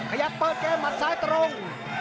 ขยับเปิดเกมหัดซ้ายตรง